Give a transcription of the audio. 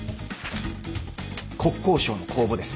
国交省の公募です。